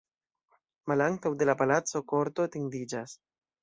Malantaŭ de la palaco korto etendiĝas.